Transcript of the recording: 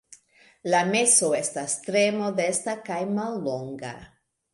La meso estas tre modesta kaj mallonga.